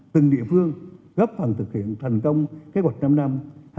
từng địa phương góp phần thực hiện thành công kế hoạch năm năm hai nghìn một mươi hai nghìn hai mươi